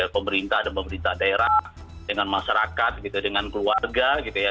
pemerintah dan pemerintah daerah dengan masyarakat gitu dengan keluarga gitu ya